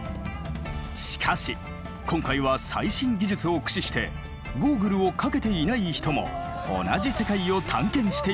しかし今回は最新技術を駆使してゴーグルをかけていない人も同じ世界を探検している気分に。